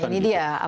nah ini dia